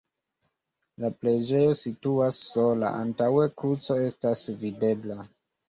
La preĝejo situas sola, antaŭe kruco estas videbla.